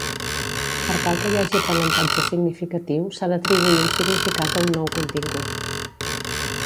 Per tal que hi hagi aprenentatge significatiu s'ha d'atribuir un significat a un nou contingut.